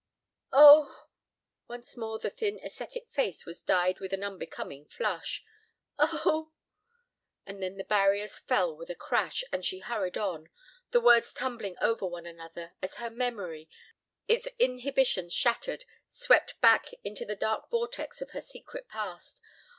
"Oh!" Once more the thin ascetic face was dyed with an unbecoming flush. "Oh!" And then the barriers fell with a crash and she hurried on, the words tumbling over one another, as her memory, its inhibitions shattered, swept back into the dark vortex of her secret past.